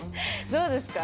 どうですか？